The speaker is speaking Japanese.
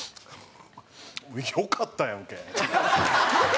「よかったやんけ」。